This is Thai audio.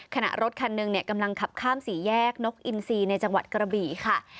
ขณะรถคันหนึ่งกำลังขับข้ามสี่แยกนกอินซีในจังหวัดกระบี่ค่ะ